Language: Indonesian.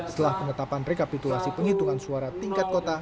setelah penetapan rekapitulasi penghitungan suara tingkat kota